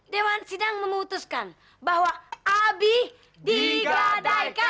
dewan sidang memutuskan bahwa abi digadangkan